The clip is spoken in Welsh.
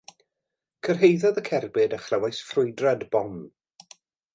Cyrhaeddodd y cerbyd a chlywais ffrwydrad bom.